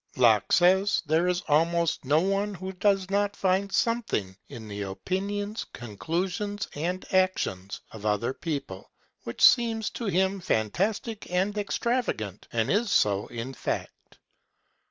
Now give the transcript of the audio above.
Locke says there is almost no one who does not find something in the opinions, conclusions, and actions of other people which seems to him fantastic and extravagant, and is so in fact.